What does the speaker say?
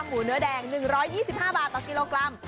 หมูเนื้อแดง๑๒๕บาทต่อกิโลกรัม